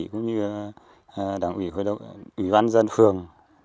cũng như đảng ủy huy văn dân phường